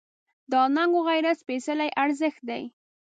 دا ننګ و غیرت سپېڅلی ارزښت دی.